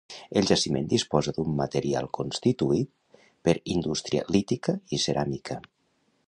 El jaciment disposa d'un material constituït per indústria lítica i ceràmica.